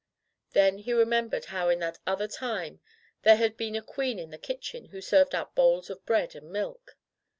Then he remembered how in that other time there had been a Queen in the kitchen who served out bowls of bread and milk.